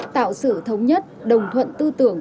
tạo sự thống nhất đồng thuận tư tưởng